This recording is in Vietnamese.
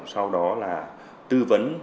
sau đó là tư vấn